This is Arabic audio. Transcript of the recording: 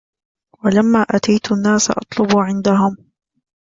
ولما أتيت الناس أطلب عندهم